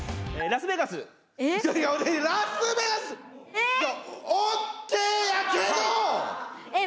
ラスベガス！え